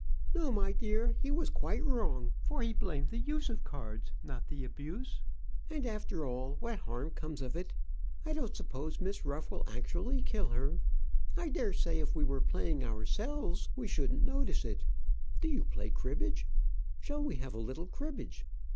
"No, my dear, he was quite wrong, for he blamed the use of cards, not the abuse. And after all, what harm comes of it? I don't suppose Miss Ruff will actually kill her. I dare say if we were playing ourselves we shouldn't notice it. Do you play cribbage? Shall we have a little cribbage?"